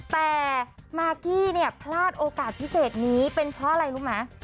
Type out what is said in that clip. แต่มากกี้เนี่ยพลาดโอกาสพิเศษนี้เป็นเพราะอะไรรู้ไหม